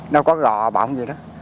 nó có gò bọng vậy đó